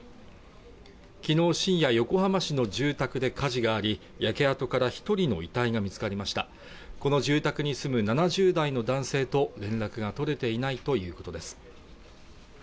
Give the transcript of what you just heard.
昨日深夜、横浜市の住宅で火事があり焼け跡から一人の遺体が見つかりましたこの住宅に住む７０代の男性と連絡が取れていないということです